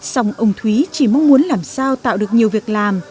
xong ông thúy chỉ mong muốn làm sao tạo được nhiều việc làm